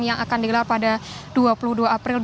yang akan digelar pada dua puluh dua april